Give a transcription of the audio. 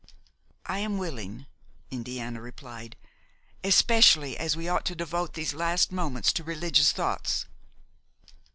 "I am willing," Indiana replied, "especially as we ought to devote these last moments to religious thoughts."